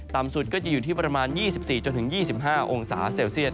สุดก็จะอยู่ที่ประมาณ๒๔๒๕องศาเซลเซียต